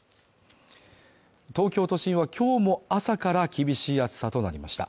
東京都心は今日も朝から厳しい暑さとなりました。